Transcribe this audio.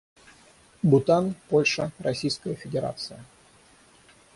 Бутан, Польша, Российская Федерация.